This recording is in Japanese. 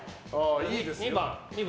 いいですね。